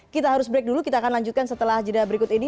kita harus break dulu kita akan lanjutkan setelah jeda berikut ini